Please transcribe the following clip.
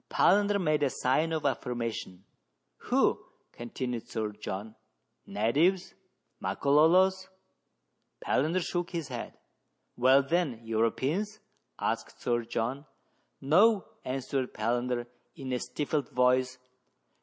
Palander made a sign of affirmation. " Who .?" continued Sir John." Natives ? Makololos ?" Palander shook his head. " Well, then, Europeans ?" asked Sir John. " No," answered Palander in a stifled voice.